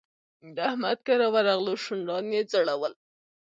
د احمد کره ورغلو؛ شونډان يې ځړول.